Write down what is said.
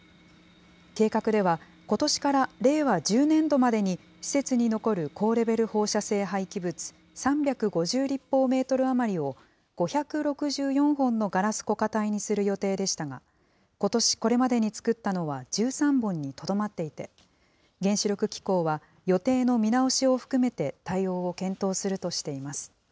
計画では、ことしから令和１０年度までに施設に残る高レベル放射性廃棄物３５０立方メートル余りを、５６４本のガラス固化体にする予定でしたが、ことし、これまでに作ったのは１３本にとどまっていて、原子力機構は、予定の見直しを含めて対応を検討するとしています。